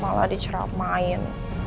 malah dicerap main